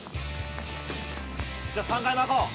じゃあ、３回巻こう。